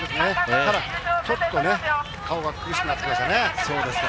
ただちょっと顔が苦しくなってきましたね。